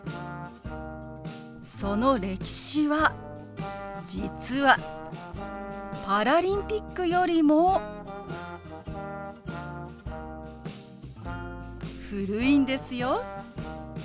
その歴史は実はパラリンピックよりも古いんですよ。